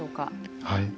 はい。